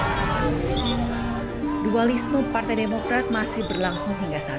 kolemen itu pun berpengaruh di sebuah kantor yang sangat jelas dua listu partai demokrat masih berlangsung hingga saat ini